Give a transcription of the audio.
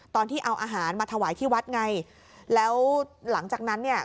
ตอนที่เอาอาหารมาถวายที่วัดไงแล้วหลังจากนั้นเนี่ย